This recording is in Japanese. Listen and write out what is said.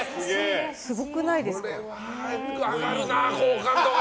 これは上がるな、好感度が。